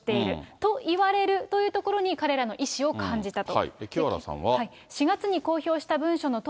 と言われるというところに、彼らの意思を感じたと。